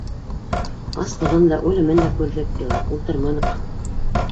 Аслығын да, үлемен дә күрҙек, илап ултырманыҡ.